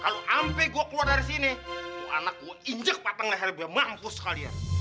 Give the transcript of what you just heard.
kalo ampe gua keluar dari sini tuh anak gua injek pateng leher biar mampus kalian